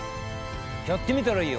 やってみたらいいよ。